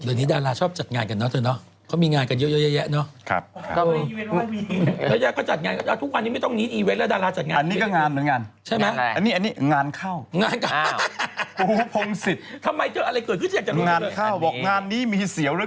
เดี๋ยวนี้ดาราชอบจัดงานกันเนอะเถอะเนอะ